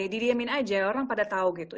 didiemin aja orang pada tau gitu